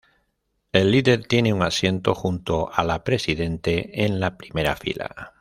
El Líder tiene un asiento junto a la Presidente, en la primera fila.